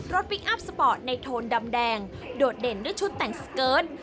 พลิกอัพสปอร์ตในโทนดำแดงโดดเด่นด้วยชุดแต่งสเกิร์ต